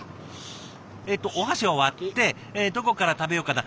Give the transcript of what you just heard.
えっとお箸を割ってどこから食べようかな。